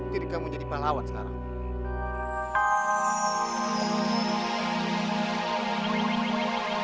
ketika kamu menjadi pahlawan sekarang